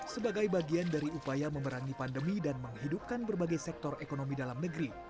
sebagai bagian dari upaya memerangi pandemi dan menghidupkan berbagai sektor ekonomi dalam negeri